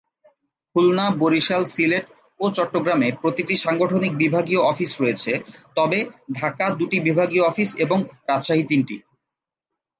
খুলনা, বরিশাল, সিলেট ও চট্টগ্রামে প্রতিটি সাংগঠনিক বিভাগীয় অফিস রয়েছে, তবে ঢাকা দুটি বিভাগীয় অফিস এবং রাজশাহী তিনটি।